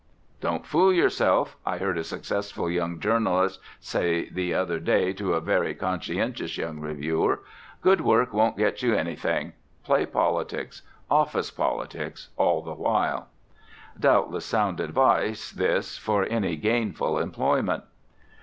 "Don't fool yourself," I heard a successful young journalist say the other day to a very conscientious young reviewer. "Good work won't get you anything. Play politics, office politics all the while." Doubtless sound advice, this, for any gainful employment.